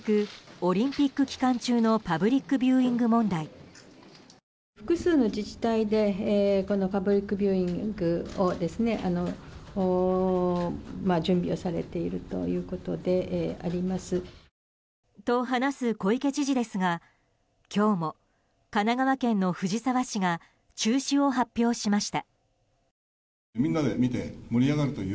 オリンピック期間中のパブリックビューイング問題。と話す小池知事ですが今日も神奈川県の藤沢市が中止を発表しました。